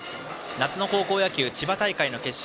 夏の高校野球千葉大会の決勝。